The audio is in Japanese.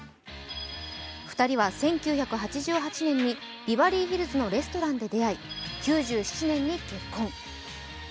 ２人は１９８８年にビバリーヒルズのレストランで出会い、９７年に結婚。